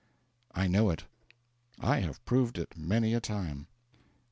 I know it. I have proved it many a time.